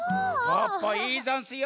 ポッポいいざんすよ。